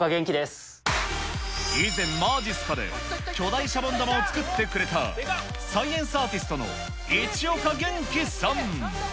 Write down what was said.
以前、まじっすかで巨大しゃぼん玉を作ってくれた、サイエンスアーティストの市岡元気さん。